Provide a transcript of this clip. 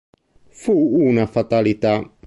Fu una fatalità.